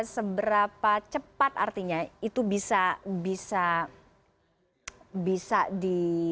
seberapa cepat artinya itu bisa di